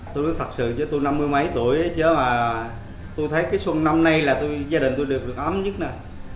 tôi thật sự với tôi năm mươi mấy tuổi chứ là tôi thấy cái xuân năm nay là gia đình tôi được ấm nhất nè